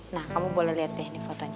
nah kamu boleh lihat deh ini fotonya